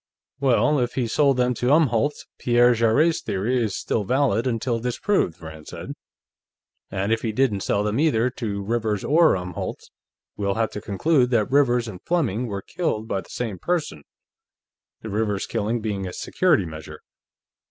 "Well, if he sold them to Umholtz, Pierre Jarrett's theory is still valid until disproved," Rand said. "And if he didn't sell them either to Rivers or Umholtz, we'll have to conclude that Rivers and Fleming were killed by the same person, the Rivers killing being a security measure.